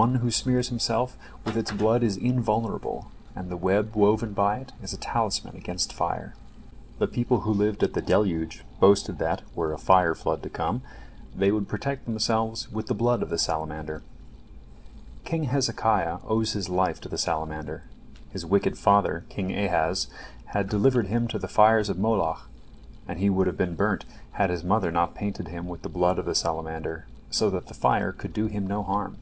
One who smears himself with its blood is invulnerable, and the web woven by it is a talisman against fire. The people who lived at the deluge boasted that, were a fire flood to come, they would protect themselves with the blood of the salamander. King Hezekiah owes his life to the salamander. His wicked father, King Ahaz, had delivered him to the fires of Moloch, and he would have been burnt, had his mother not painted him with the blood of the salamander, so that the fire could do him no harm.